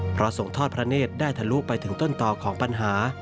เพราะส่งทอดพระเนธได้ทะลุไปถึงต้นต่อของปัญหา